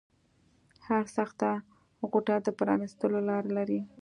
هره سخته غوټه د پرانیستلو لاره لري